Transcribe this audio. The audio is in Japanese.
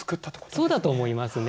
そうだと思いますね。